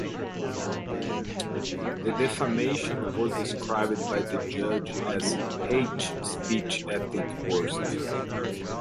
The defamation was described by the judge as "hate speech at its worst".